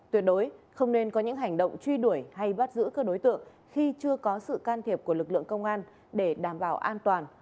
tuyệt đối không nên có những hành động truy đuổi hay bắt giữ các đối tượng khi chưa có sự can thiệp của lực lượng công an để đảm bảo an toàn